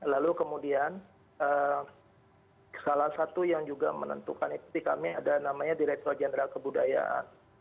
lalu kemudian salah satu yang juga menentukan itu di kami ada namanya direktur jenderal kebudayaan